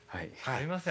すいません。